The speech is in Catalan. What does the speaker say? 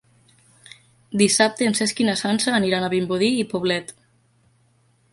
Dissabte en Cesc i na Sança aniran a Vimbodí i Poblet.